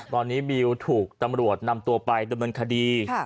ตอนนี้บิวถูกตำรวจนำตัวไปดำเนินคดี